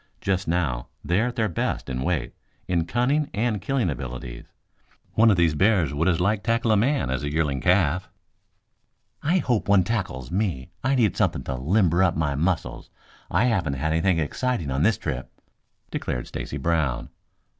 Just now they are at their best, in weight, in cunning and killing abilities. One of these bears would as lief tackle a man as a yearling calf." "I hope one tackles me. I need something to limber up my muscles. I haven't had anything exciting on this trip," declared Stacy Brown.